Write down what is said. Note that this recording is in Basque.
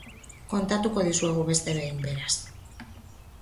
Kontatuko dizuegu beste behin, beraz.